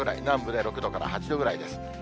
南部で６度から８度ぐらいです。